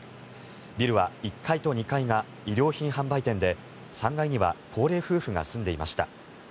ビルは１階と２階が衣料品販売店で３階には高齢夫婦が住んでいました。